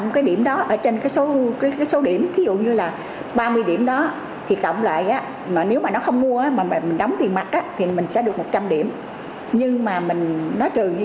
ví dụ như là ba mươi điểm đó thì cộng lại nếu mà nó không mua mà mình đóng tiền mặt